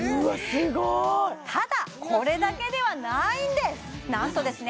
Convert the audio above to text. すごいただこれだけではないんですなんとですね